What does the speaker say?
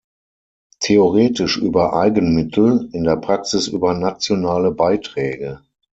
Theoretisch über Eigenmittel, in der Praxis über nationale Beiträge.